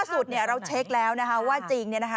ท่าสุดเนี่ยเราเช็คแล้วนะคะว่าจริงเนี่ยนะคะ